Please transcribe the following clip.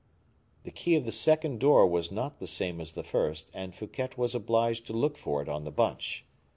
The key of the second door was not the same as the first, and Fouquet was obliged to look for it on the bunch.